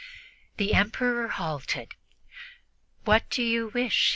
The Emperor halted. "What do you wish?"